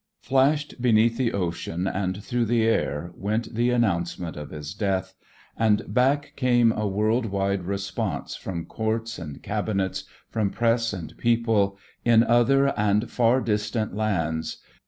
Flashed beneath the ocean and through the air went the announcement of his death, and back came a world wide response from courts and cabinets, from press and people, in other and far distant lands.